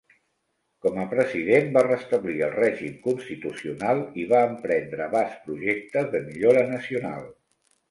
Com a president, va restablir el règim constitucional i va emprendre vasts projectes de millora nacional.